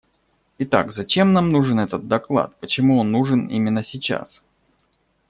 Итак, зачем нам нужен этот доклад, почему он нужен именно сейчас?